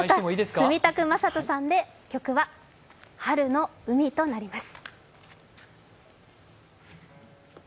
住宅正人さんで曲は「春の海」となります。